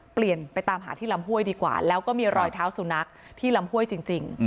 เปลี่ยนไปตามหาที่ลำห้วยดีกว่าแล้วก็มีรอยเท้าสุนัขที่ลำห้วยจริง